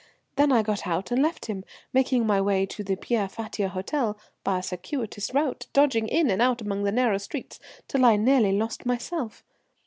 Then I got out and left him, making my way to the Pierre Fatio Hôtel by a circuitous route, dodging in and out among the narrow streets till I nearly lost myself.